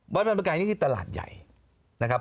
วัดพระธรรมกายนี่คือตลาดใหญ่นะครับ